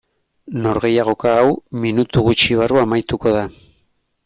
Norgehiagoka hau minutu gutxi barru amaituko da.